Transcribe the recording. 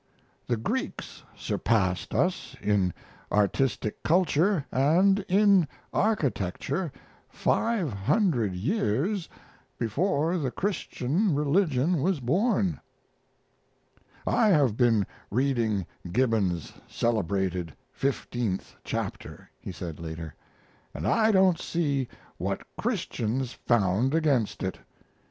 The Greeks surpassed us in artistic culture and in architecture five hundred years before the Christian religion was born. "I have been reading Gibbon's celebrated Fifteenth Chapter," he said later, "and I don't see what Christians found against it.